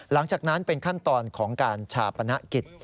หลังจากนั้นเป็นขั้นตอนของการชาปนกิจ